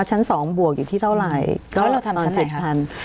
ชั้น๒บวกอยู่ที่เท่าไหร่เขาก็ตอน๗ทัน